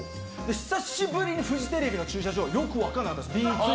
久しぶりにフジテレビの駐車場がよく分かんなかったです。